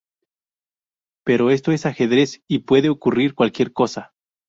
Pero esto es ajedrez y puede ocurrir cualquier cosa.